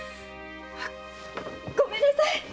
ごめんなさい！